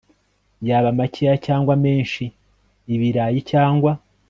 yaba makeya cyangwa menshi Ibirayi cyangwa